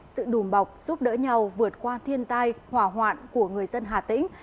sự đùm bọc giúp đỡ nhau vượt qua thiên tai hỏa hoạn của người dân hà tĩnh